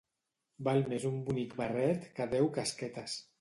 Val més un bonic barret que deu casquetes.